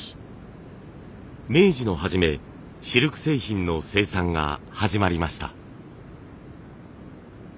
明治の初めシルク製品の生産が始まりました。